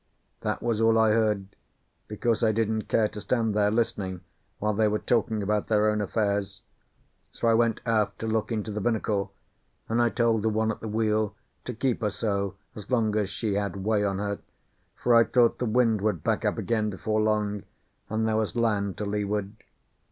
That was all I heard, because I didn't care to stand there listening while they were talking about their own affairs; so I went aft to look into the binnacle, and I told the one at the wheel to keep her so as long as she had way on her, for I thought the wind would back up again before long, and there was land to leeward.